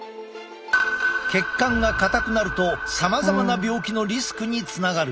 血管が硬くなるとさまざまな病気のリスクにつながる。